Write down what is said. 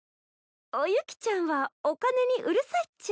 おユキちゃんはお金にうるさいっちゃ。